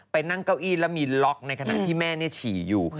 นั่งเก้าอี้แล้วมีล็อกในขณะที่แม่ฉี่อยู่